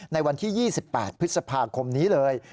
ในวันที่๒๘พฤษภาคมนี้เลย